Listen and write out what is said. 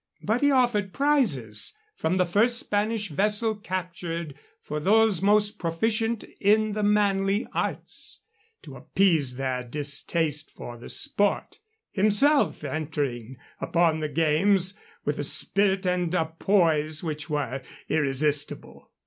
But he offered prizes from the first Spanish vessel captured for those most proficient in the manly arts, to appease their distaste for the sport, himself entering upon the games with a spirit and a poise which were irresistible.